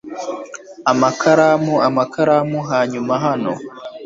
amakaramu amakaramu hanyuma hano